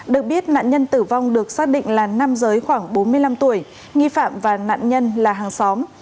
được biết nạn nhân tử vong được xác định là nam giới khoảng bốn mươi năm tuổi nghi phạm và nạn nhân là hàng xóm